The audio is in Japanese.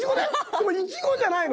でもいちごじゃないの。